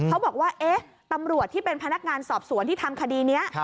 เขาบอกว่าตำรวจที่เป็นพนักงานสอบสวนที่ทำคดีนี้